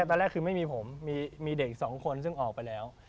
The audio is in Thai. ตอนแรกคือไม่มีผมมีเด็กสองคนซึ่งออกไปแล้ว